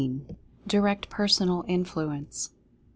DIRECT PERSONAL INFLUENCE.